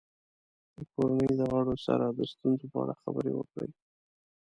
د کورنۍ د غړو سره د ستونزو په اړه خبرې وکړه.